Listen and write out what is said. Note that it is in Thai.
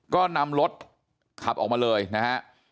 ก็นำรถขับออกมาเลยนะฮะ